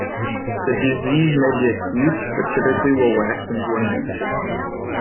The disease may be acute, but typically will wax and wane.